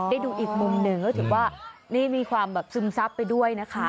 ได้ดูอีกมุมหนึ่งก็ถือว่านี่มีความแบบซึมซับไปด้วยนะคะ